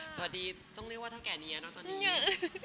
สวัสดีต้องเรียกว่าเท่าแก่นี้เนอะตอนนี้เยอะ